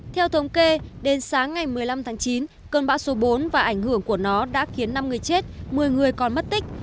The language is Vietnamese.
theo thống kê đến sáng ngày một mươi năm tháng chín cơn bão số bốn và ảnh hưởng của nó đã khiến năm người chết một mươi người còn mất tích